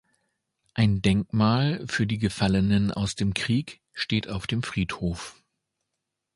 Ein Denkmal für die Gefallenen aus dem Krieg steht auf dem Friedhof.